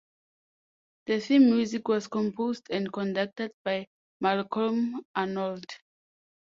The theme music was composed and conducted by Malcolm Arnold.